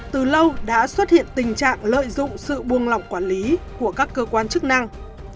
từ lâu đã xuất hiện tình trạng lợi dụng sự buông lỏng quản lý của các cơ quan chức năng